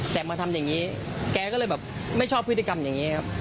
แต่มาทำอย่างนี้แกก็เลยแบบไม่ชอบพฤติกรรมอย่างนี้ครับ